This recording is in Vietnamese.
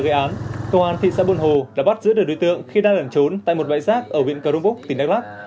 gây án công an thị xã buôn hồ đã bắt giữ được đối tượng khi đang đẩn trốn tại một bãi giác ở viện cờ rung búc tỉnh đắk lắk